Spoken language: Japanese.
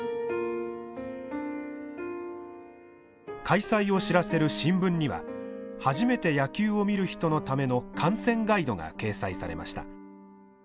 開催を知らせる新聞には初めて野球を見る人のための観戦ガイドが掲載されました。